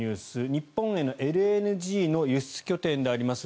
日本へのＬＮＧの輸出拠点であります